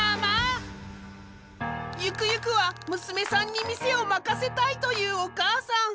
ゆくゆくは娘さんに店を任せたいというお母さん。